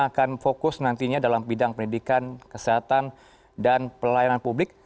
akan fokus nantinya dalam bidang pendidikan kesehatan dan pelayanan publik